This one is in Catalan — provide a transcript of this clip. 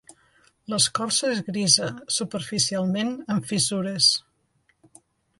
L'escorça és grisa, superficialment amb fissures.